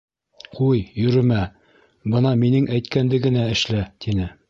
Ҡуй, йөрөмә, бына минең әйткәнде генә эшлә, тине.